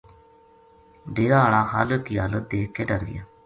ڈیرا ہالا خالق کی حالت دیکھ کے ڈر گیا